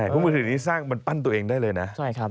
เพราะมือถือนี้สร้างมันปั้นตัวเองได้เลยนะ